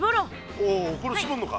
おおこれしぼるのか。